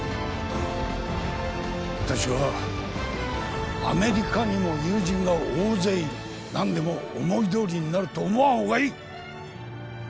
私はアメリカにも友人が大勢いる何でも思いどおりになると思わん方がいい！